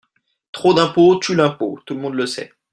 Trop d’impôt tue l’impôt, tout le monde le sait.